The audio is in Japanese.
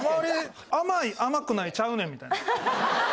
甘い甘くないちゃうねんみたいな。